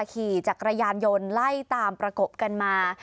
ขี่จักรยานยนต์ไล่ตามประกบกันมา